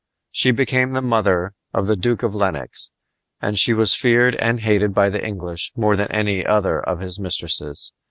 She became the mother of the Duke of Lenox, and she was feared and hated by the English more than any other of his mistresses.